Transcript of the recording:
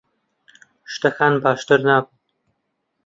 شتەکان باشتر نابن.